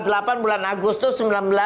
tanggal delapan bulan agustus dua ribu sebelas